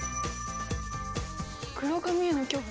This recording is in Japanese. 「黒髪への恐怖」